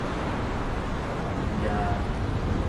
我同意啊！